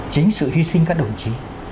chính sự hy sinh các đồng chí